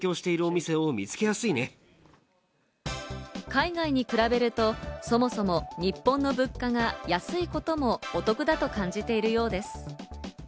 海外に比べると、そもそも日本の物価が安いこともお得だと感じているようです。